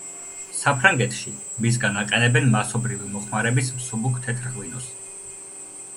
საფრანგეთში მისგან აყენებენ მასობრივი მოხმარების მსუბუქ თეთრ ღვინოს.